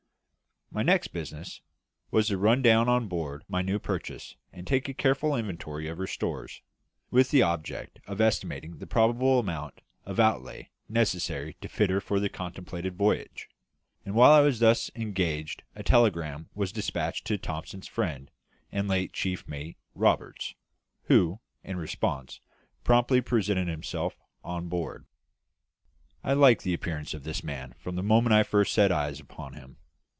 My next business was to run down on board my new purchase and take a careful inventory of her stores, with the object of estimating the probable amount of outlay necessary to fit her for the contemplated voyage; and while I was thus engaged a telegram was despatched to Thomson's friend and late chief mate, Roberts, who, in response, promptly presented himself on board. I liked the appearance of this man from the moment that I first set eyes upon him.